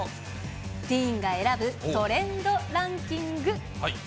ティーンが選ぶトレンドランキング。